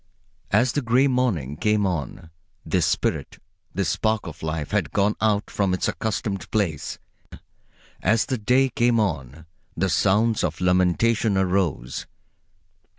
As the gray morning came on, this spirit, this spark of life, had gone out from its accustomed place. As the day came on, the sounds of lamentation arose.